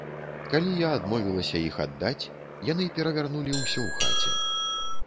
Калі я адмовілася іх аддаць, яны перавярнулі ўсё ў хаце.